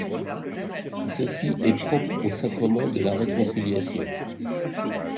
Ceci est propre au sacrement de la Réconciliation.